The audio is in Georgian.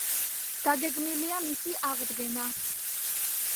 დაგეგმილია მისი აღდგენა.